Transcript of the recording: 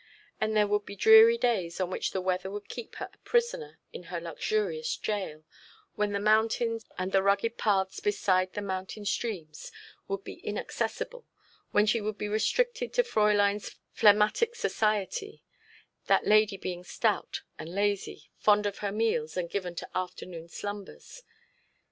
And there would be dreary days on which the weather would keep her a prisoner in her luxurious gaol, when the mountains, and the rugged paths beside the mountain streams, would be inaccessible, when she would be restricted to Fräulein's phlegmatic society, that lady being stout and lazy, fond of her meals, and given to afternoon slumbers.